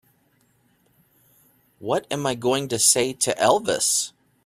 What am I going to say to Elvis?